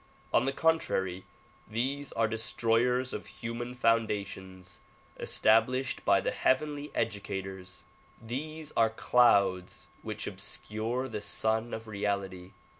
On the contrary these are destroyers of human foundations established by the heavenly educators. These are clouds which obscure the Sun of Reality.